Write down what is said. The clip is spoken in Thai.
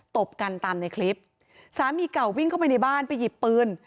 ตบกันตามในคลิปสามีเก่าวิ่งเข้าไปในบ้านไปหยิบปืน